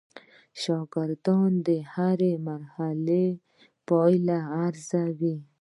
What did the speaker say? شاګردان د هره مرحله پایلې ارزول.